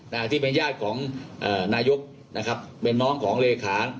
ที่เป็นญาติของเอ่อนายกนะครับเป็นน้องของเลขา